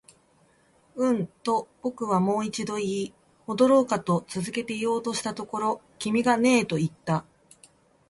うん、と僕はもう一度言い、戻ろうかと続けて言おうとしたところ、君がねえと言った